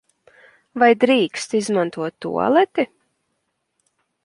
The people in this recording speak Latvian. Vai drīkst izmantot tualeti?